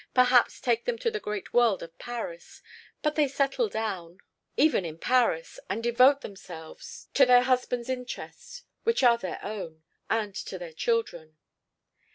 perhaps take them to the great world of Paris; but they settle down, even in Paris, and devote themselves to their husbands' interests, which are their own, and to their children....